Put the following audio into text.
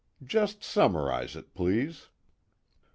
"Just summarize it, please."